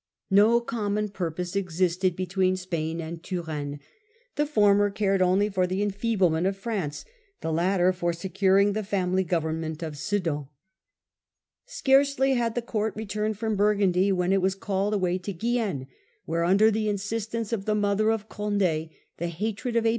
No common purpose existed between Spain and Turenne : the former cared only for the enfeeblement of France ; the latter for securing the family government of S£dan. Scarcely had the court returned from Burgundy, when it was called away to Guienne, where, under the in Revoit in sistance of the mother of Condd, the hatred of Guienne.